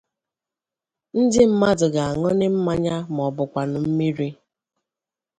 ndị mmadụ ga-añụnị mmanya maọbụkwanụ mmiri